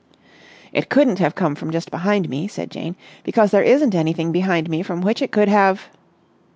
"It couldn't have come from just behind me," said Jane, "because there isn't anything behind me from which it could have...."